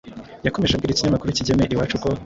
Yakomeje abwira ikinyamakuru Kigeme Iwacu ko